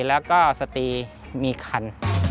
แล้วก็สตีมีคัน